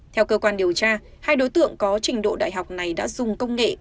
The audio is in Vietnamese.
theo cơ quan điều tra hai đối tượng có trình độ đại học này đã dùng công nghệ